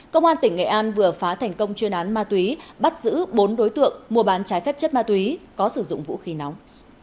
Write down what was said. công an tỉnh nghệ an vừa phá thành công chuyên án ma túy bắt giữ bốn đối tượng mua bán trái phép chất ma túy có sử dụng vũ khí nóng